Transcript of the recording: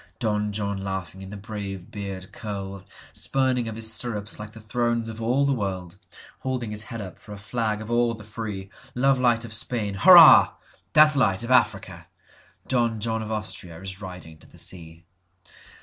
Don John laughing in the brave beard curled, Spurning of his stirrups like the thrones of all the world, Holding his head up for a flag of all the free. Love light of Spain—hurrah! Death light of Africa! Don John of AustriaIs riding to the sea.